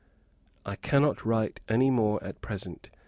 I cannot write any more at present.